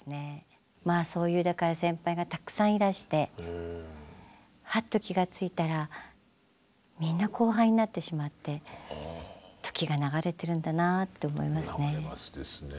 まあそういうだから先輩がたくさんいらしてハッと気がついたらみんな後輩になってしまって時が流れてるんだなぁと思いますね。